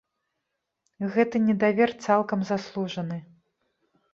Гэты недавер цалкам заслужаны.